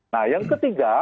nah yang ketiga